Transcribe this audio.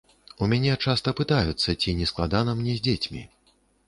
У мяне часта пытаюцца, ці не складана мне з дзецьмі.